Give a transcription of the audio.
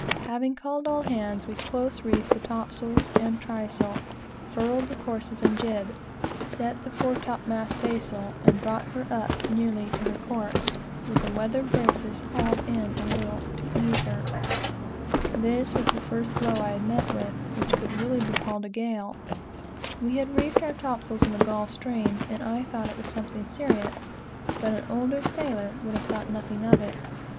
Having called all hands, we close reefed the topsails and trysail, furled the courses and job, set the fore top mast staysail, and brought her up nearly to her course, with the weather braces hauled in a little, to ease her. This was the first blow, that I had seen, which could really be called a gale. We had reefed our topsails in the Gulf Stream, and I thought it something serious, but an older sailor would have thought nothing of it.